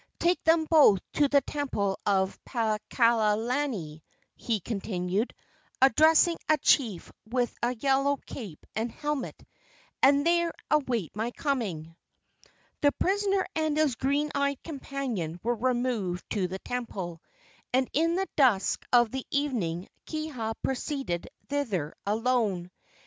"Take them both to the temple of Paakalani," he continued, addressing a chief with a yellow cape and helmet, "and there await my coming." The prisoner and his green eyed companion were removed to the temple, and in the dusk of the evening Kiha proceeded thither alone.